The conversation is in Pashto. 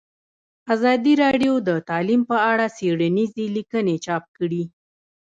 ازادي راډیو د تعلیم په اړه څېړنیزې لیکنې چاپ کړي.